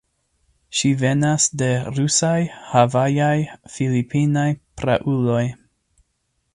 Ŝi venas de rusaj, havajaj, filipinaj prauloj.